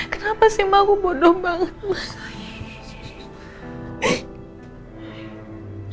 kenapa sih mbak aku bodoh banget mas